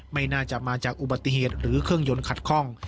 ไม่น่าจะมาจากอุบัติเหตุหรือเครื่องยนต์ขัดคล่อง